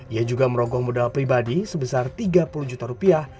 ia juga merogong modal pribadi sebesar tiga puluh juta rupiah